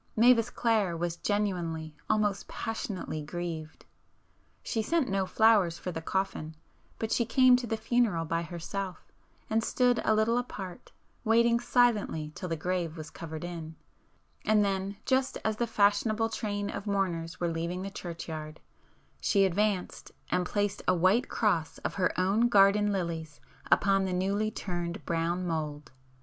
Mavis Clare was genuinely, almost passionately grieved. She sent no flowers for the coffin, but she came to the funeral by herself, and stood a little apart waiting silently till the grave was covered in,—and then, just as the "fashionable" train of mourners were leaving the churchyard, she advanced and placed a white cross of her own garden lilies upon the newly turned brown mould.